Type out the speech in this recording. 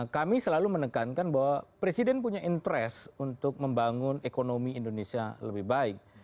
kami selalu menekankan bahwa presiden punya interest untuk membangun ekonomi indonesia lebih baik